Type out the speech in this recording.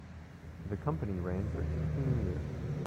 The company ran for sixteen years.